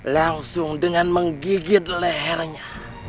langsung dengan menggigit lehernya